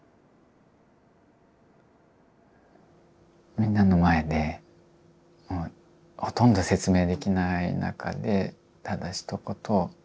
みんなの前でほとんど説明できない中でただひと言